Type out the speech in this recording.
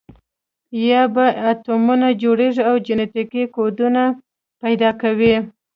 یا به اتمونه جوړوي او جنټیکي کوډونه پیدا کوي.